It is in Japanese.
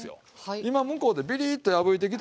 今向こうでビリッと破いてきたところ。